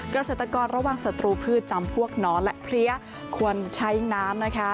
เกษตรกรระวังศัตรูพืชจำพวกหนอนและเพลี้ยควรใช้น้ำนะคะ